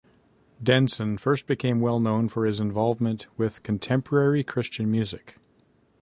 Denson first became well known for his involvement with contemporary Christian music.